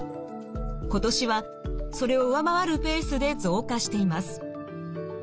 今年はそれを上回るペースで増加しています。